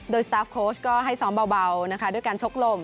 โดยสตาร์ฟโค้ชก็ให้ซ้อมเบานะคะด้วยการชกลม